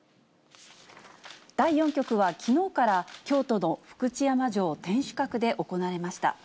第４局は、きのうから京都の福知山城天守閣で行われました。